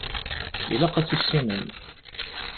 Ilaq ad t-tissinem.